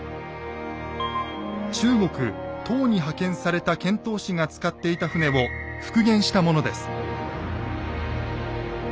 中国唐に派遣された遣唐使が使っていた船を復元したものです。